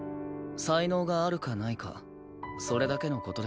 才能があるかないかそれだけの事ですよ。